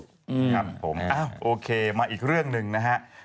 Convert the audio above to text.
ครับผมโอเคมาอีกเรื่องหนึ่งนะฮะ